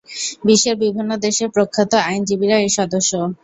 বিশ্বের বিভিন্ন দেশের প্রখ্যাত আইনজীবীরা এর সদস্য।